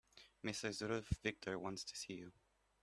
Mrs. Ruth Victor wants to see you.